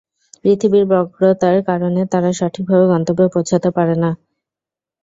পৃথিবীর বক্রতার কারণে তারা সঠিকভাবে গন্তব্যে পৌঁছাতে পারে না।